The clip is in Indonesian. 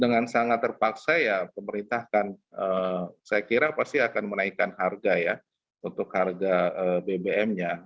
dengan sangat terpaksa pemerintah akan menaikkan harga bbm